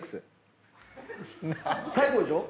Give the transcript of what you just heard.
最高でしょ。